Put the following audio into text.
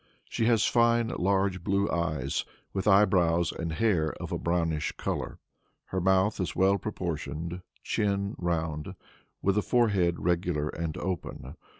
She has fine large blue eyes, with eyebrows and hair of a brownish color. Her mouth is well proportioned, chin round, with a forehead regular and open.